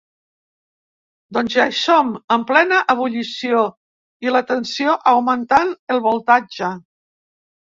Doncs ja hi som, en plena ebullició i la tensió augmentant el voltatge.